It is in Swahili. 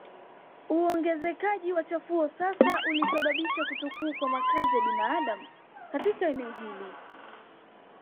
Uongezekaji wa chafuo sasa ulisababisha kutokuwa kwa makazi ya binadamu katika eneo hili